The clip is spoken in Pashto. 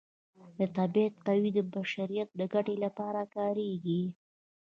د طبیعت قوې د بشریت د ګټې لپاره کاریږي.